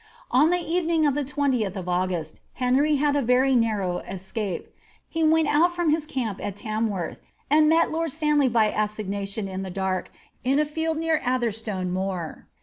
On the evening of the 20th of August, Henry bad a very narrow escape ; he went out from his camp at Tamworth anJ met lord Stanley by assignation in the dark, in a field near Ather stone Moor.